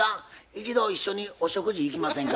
一度一緒にお食事行きませんか？